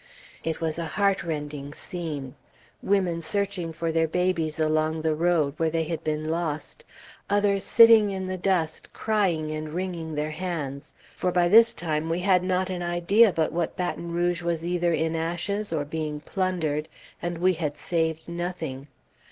It was a heart rending scene. Women searching for their babies along the road, where they had been lost; others sitting in the dust crying and wringing their hands; for by this time we had not an idea but what Baton Rouge was either in ashes, or being plundered, and we had saved nothing.